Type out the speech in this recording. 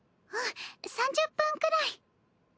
うん３０分くらい。